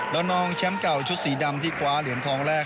แล้วนองแชมป์เก่าชุดสีดำที่คว้าเหรียญทองแรก